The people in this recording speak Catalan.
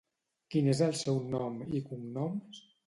Quin és el seu nom i cognoms?